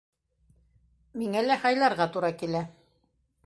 Миңә лә һайларға тура килә: